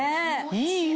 いいよ。